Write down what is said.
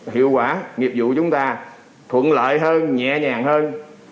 hiệu quả nghiệp vụ chúng ta thuận lợi hơn nhẹ nhàng hơn